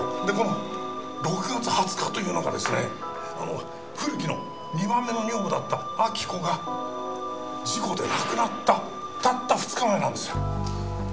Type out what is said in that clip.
でこの６月２０日というのがですね古木の２番目の女房だった亜木子が事故で亡くなったたった２日前なんですよ。